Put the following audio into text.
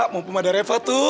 mau pembahas dari eva tuh